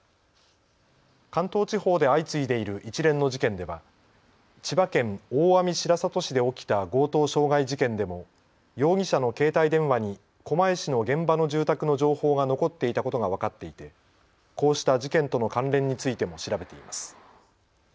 関東地方で相次いでいる一連の事件では千葉県大網白里市で起きた強盗傷害事件でも容疑者の携帯電話に狛江市の現場の住宅の情報が残っていたことが分かっていてこうした事件との関連についても調べています。